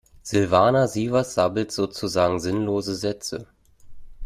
Silvana Sievers sabbelt sozusagen sinnlose Sätze.